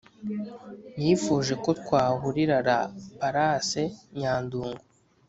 nifuje ko twahurira la palace nyandungu"